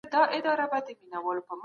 افغانه